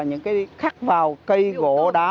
những cái khắc vào cây gỗ đá